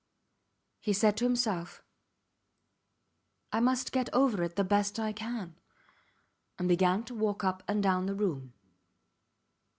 He said to himself, I must get over it the best I can, and began to walk up and down the room.